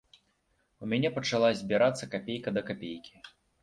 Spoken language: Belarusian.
У мяне пачала збірацца капейка да капейкі.